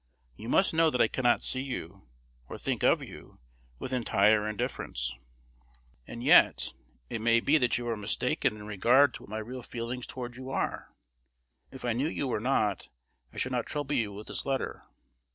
You must know that I cannot see you, or think of you, with entire indifference; and yet it may be that you are mistaken in regard to what my real feelings toward you are. If I knew you were not, I should not trouble you with this letter.